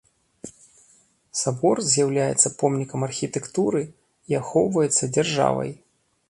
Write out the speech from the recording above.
Сабор з'яўляецца помнікам архітэктуры і ахоўваецца дзяржавай.